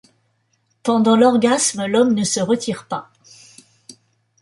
Pendant l'orgasme, l'homme ne se retire pas.